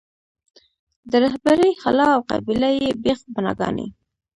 د رهبرۍ خلا او قبیله یي بېخ بناګانې.